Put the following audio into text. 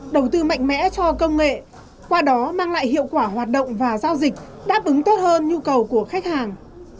đầu tư mạnh mẽ cho công nghệ qua đó mang lại hiệu quả hoạt động và giao dịch đáp ứng tốt hơn nhu cầu của khách hàng